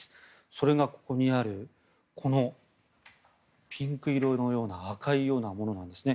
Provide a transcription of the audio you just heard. それがここにあるこのピンク色のような赤いようなものなんですね。